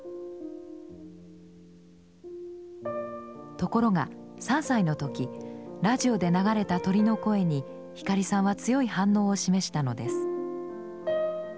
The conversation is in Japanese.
ところが３歳の時ラジオで流れた鳥の声に光さんは強い反応を示したのです。